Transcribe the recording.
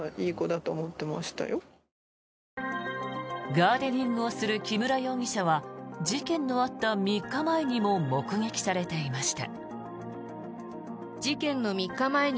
ガーデニングをする木村容疑者は事件のあった３日前にも目撃されていました。